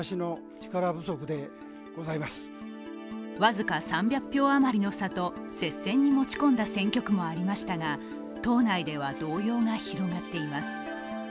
僅か３００票あまりの差と接戦に持ち込んだ選挙区もありましたが党内では動揺が広がっています。